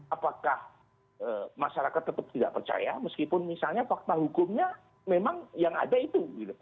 apakah masyarakat tetap tidak percaya meskipun misalnya fakta hukumnya memang yang ada itu